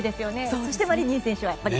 そして、マリニン選手は。